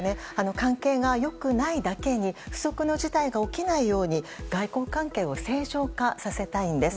関係が良くないだけに不測の事態が起きないように外交関係を正常化させたいんです。